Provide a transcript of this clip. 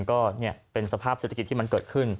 ก็เป็นสภาพเศรษฐกิจที่มันเกิดขึ้น